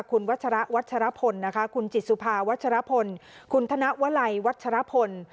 คุณวัชระวัชรพลนะคะคุณจิตสุภาวัชรพลคุณธนวลัยวัชรพล